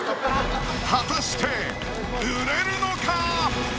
果たして売れるのか。